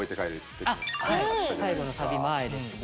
最後のサビ前ですね。